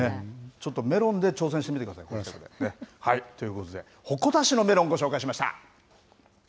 ちょっとメロンで挑戦してみてください。ということで、鉾田市のメロンご紹介しました。